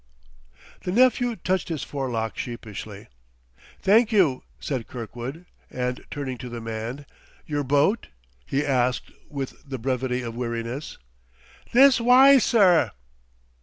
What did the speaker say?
The nephew touched his forelock sheepishly. "Thank you," said Kirkwood; and, turning to the man, "Your boat?" he asked with the brevity of weariness. "This wye, sir."